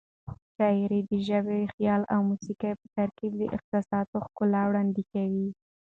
شاعري د ژبې، خیال او موسيقۍ په ترکیب د احساساتو ښکلا وړاندې کوي.